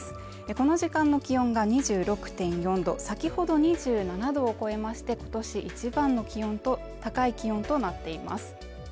この時間の気温が２６．４度、先ほど２７度を超えまして今年一番の高い気温となっています